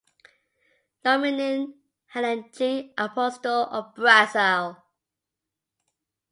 Dominan, Helen G. Apostle of Brazil.